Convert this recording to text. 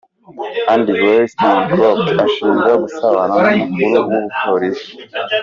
Andy Wolstencroft arashinjwa gusambana n’umukuru w’abapolisi.